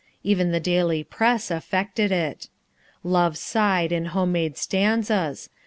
Even the daily press affected it. Love sighed in home made stanzas.